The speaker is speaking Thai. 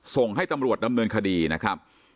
ส่งให้ตำรวจดำเนินคดีนะครับ